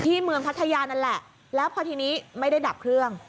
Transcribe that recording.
เมืองพัทยานั่นแหละแล้วพอทีนี้ไม่ได้ดับเครื่อง